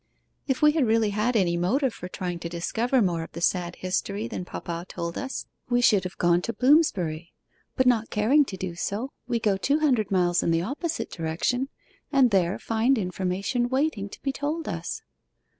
If we had really had any motive for trying to discover more of the sad history than papa told us, we should have gone to Bloomsbury; but not caring to do so, we go two hundred miles in the opposite direction, and there find information waiting to be told us.